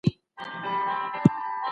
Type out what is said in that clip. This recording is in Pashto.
ورک سول ولاړه